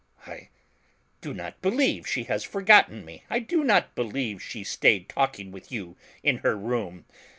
I do not believe she has forgotten me; I do not believe she stayed talking with you in her room.